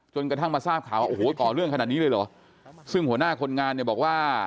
กระทั่งมาทราบข่าวว่าโอ้โหก่อเรื่องขนาดนี้เลยเหรอซึ่งหัวหน้าคนงานเนี่ยบอกว่า